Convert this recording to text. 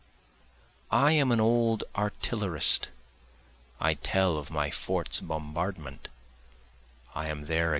I am an old artillerist, I tell of my fort's bombardment, I am there again.